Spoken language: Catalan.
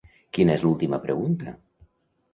Quina és l'última pregunta?